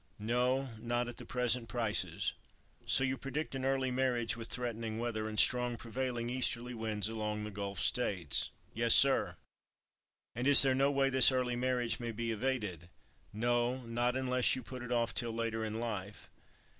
"No, not at the present prices." "So you predict an early marriage, with threatening weather and strong prevailing easterly winds along the Gulf States?" "Yes, sir." "And is there no way that this early marriage may be evaded?" "No, not unless you put it off till later in life."